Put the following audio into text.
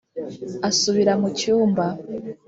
Asubira mu cyumba